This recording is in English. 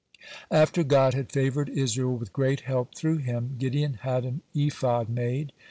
(100) After God had favored Israel with great help through him, Gideon had an ephod made.